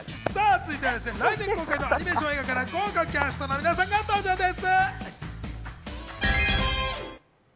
続いては来年公開のアニメーション映画から豪華キャストの皆さんが登場です。